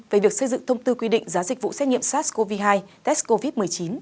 về việc xây dựng thông tư quy định giá dịch vụ xét nghiệm sars cov hai test covid một mươi chín